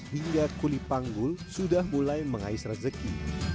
hingga kuli panggul sudah mulai mengais rezeki